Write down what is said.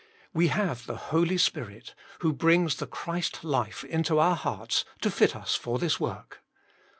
We have the Holy Spirit, who brings the Christ life into our hearts, to fit us for this work.